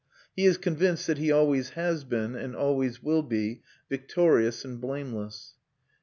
He is convinced that he always has been, and always will be, victorious and blameless.